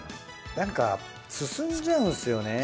なんか進んじゃうんすよね。